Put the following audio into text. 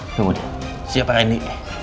tunggu dia siapkan ini